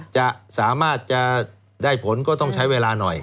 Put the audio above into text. จะสามารถจะได้ผลก็ต้องใช้เวลาหน่อย